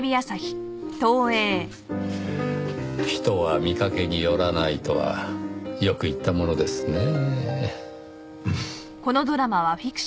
人は見かけによらないとはよく言ったものですねぇ。